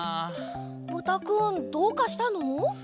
ブタくんどうかしたの？